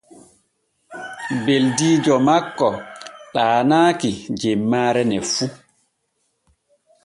Beldiijo makko ɗaanaaki jemmaare ne fu.